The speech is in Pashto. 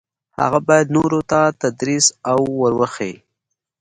هغه باید نورو ته تدریس او ور وښيي.